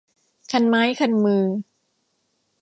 คันไม้คันมือ